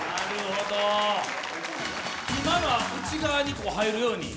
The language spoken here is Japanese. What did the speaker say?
今のは内側に入るように？